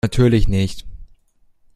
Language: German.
Natürlich nicht.